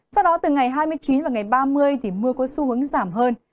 sau đó từ ngày hai mươi chín và ngày ba mươi thì mưa có xu hướng giảm hơn